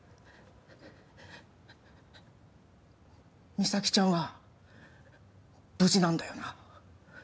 実咲ちゃんは無事なんだよな？